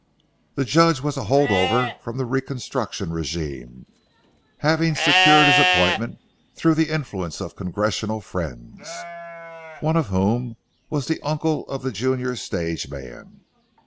The judge was a hold over from the reconstruction régime, having secured his appointment through the influence of congressional friends, one of whom was the uncle of the junior stage man.